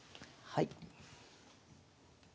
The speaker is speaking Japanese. はい。